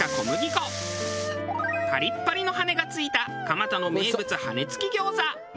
パリッパリの羽根が付いた蒲田の名物羽根付き餃子。